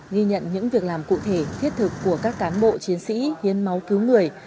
ghi nhận những việc làm cụ thể thiết thực của các cán bộ chiến sĩ hiến máu cứu người